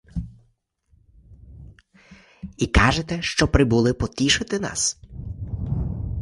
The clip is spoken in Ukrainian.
І кажете, що прибули потішити нас?